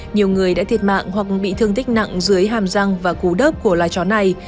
nhiều người đã thiệt mạng hoặc bị thương tích nặng dưới hàm răng và cú đớp của loài chó này